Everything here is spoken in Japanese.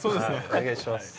お願いします。